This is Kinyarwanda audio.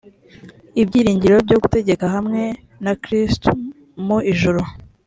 ibyiringiro byo gutegeka hamwe na kristo mu ijuru